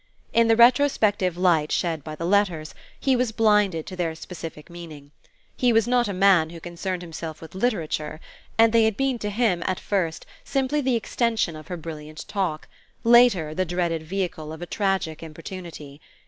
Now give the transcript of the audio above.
In the retrospective light shed by the letters he was blinded to their specific meaning. He was not a man who concerned himself with literature, and they had been to him, at first, simply the extension of her brilliant talk, later the dreaded vehicle of a tragic importunity.